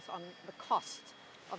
pada harga mobil